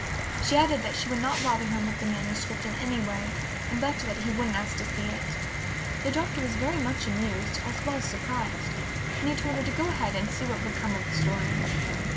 She added that she would not bother him with the manuscript in any way and begged that he wouldn't ask to see it. The Doctor was very much amused as well as surprised, and he told her to go ahead and see what would come of the story.